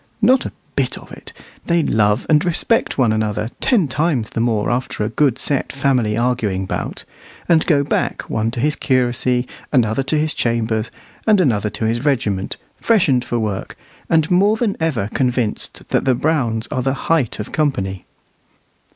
Not a bit of it. They love and respect one another ten times the more after a good set family arguing bout, and go back, one to his curacy, another to his chambers, and another to his regiment, freshened for work, and more than ever convinced that the Browns are the height of company.